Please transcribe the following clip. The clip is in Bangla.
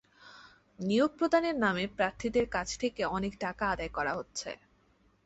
নিয়োগ প্রদানের নামে প্রার্থীদের কাছ থেকে অনেক টাকা আদায় করা হচ্ছে।